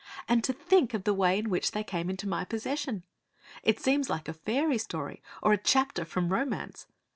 And to think of the way in which they came into my possession! It seems like a fairy story or a chapter from romance.